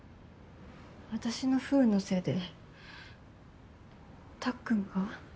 私の不運のせいでたっくんが？